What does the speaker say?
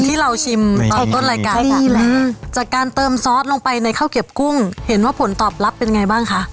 ที่เราชิมตอนต้นรายการนี่แหละจากการเติมซอสลงไปในข้าวเก็บกุ้งเห็นว่าผลตอบรับเป็นไงบ้างคะ